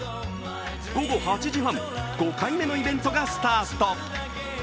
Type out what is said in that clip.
午後８時半、５回目のイベントがスタート。